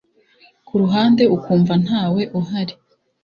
ku ruhande ukumva ntawe uhari